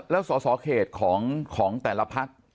แล้วสอสอเขตของแต่ละพัก